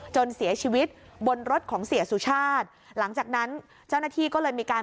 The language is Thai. จนเสียชีวิตบนรถของเสียสุชาติหลังจากนั้นเจ้าหน้าที่ก็เลยมีการ